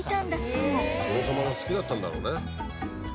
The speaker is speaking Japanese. そう殿様が好きだったんだろうね。